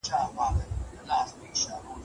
زده کړه د ټیکنالوژۍ په کارولو کې د نوښت لامل کیږي.